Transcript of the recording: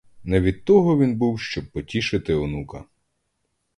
Не від того він був, щоб потішити онука.